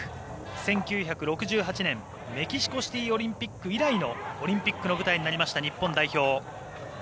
１９６８年、メキシコシティーオリンピック以来のオリンピックの舞台になりました日本代表。